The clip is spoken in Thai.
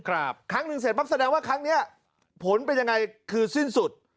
ครั้งหนึ่งเสร็จปั๊บแสดงว่าครั้งเนี้ยผลเป็นยังไงคือสิ้นสุด